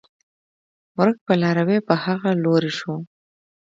ورک به لاروی په هغه لوري شو